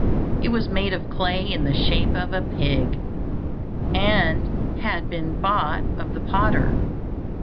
It was made of clay in the shape of a pig, and had been bought of the potter.